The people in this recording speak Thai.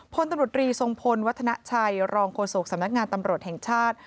พลตำรวจรีทรงพลวัฒนาชัยรองโฆษกสำนักงานตำรวจแห่งชาติ